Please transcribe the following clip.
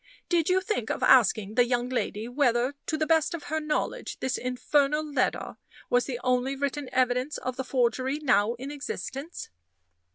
Did you think of asking the young lady whether, to the best of her knowledge, this infernal letter was the only written evidence of the forgery now in existence?"